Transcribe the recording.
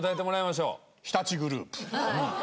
日立グループ。